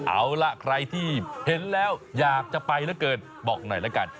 เอาล่ะใครที่เห็นแล้วอยากจะไปเหลือเกินบอกหน่อยละกัน